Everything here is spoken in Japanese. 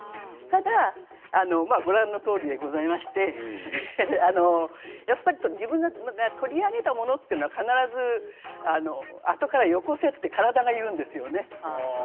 ただ、ご覧のとおりでございまして自分が取り上げたものは必ずあとからよこせと体が言うんですよね。